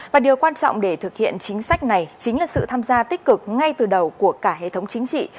và điều quan trọng để thực hiện chính sách này chính là sự tham gia tích cực ngay từ đầu của cả hệ thống chính trị